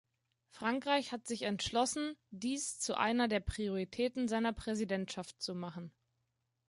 Frankreich hat sich entschlossen, dies zu einer der Prioritäten seiner Präsidentschaft zu machen.